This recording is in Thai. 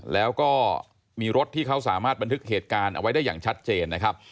แล้วก็มีรถที่เขาสามารถบันทึกเหตุการณ์เอาไว้ได้อย่างชัดเจนนะครับ